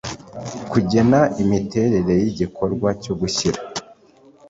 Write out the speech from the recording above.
kugena imiterere y igikorwa cyo gushyira